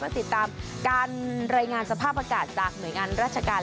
ติดตามการรายงานสภาพอากาศจากหน่วยงานราชการ